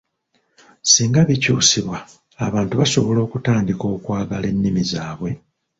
"Singa bikyusibwa, abantu basobola okutandika okwagala ennimi zaabwe."